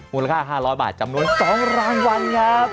มูลค่า๕๐๐บาทจำนวน๒รางวัลครับ